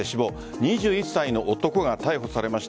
２１歳の男が逮捕されました。